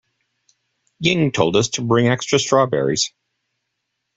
Ying told us to bring extra strawberries.